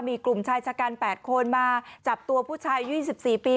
มีกลุ่มชายชะกัน๘คนมาจับตัวผู้ชาย๒๔ปี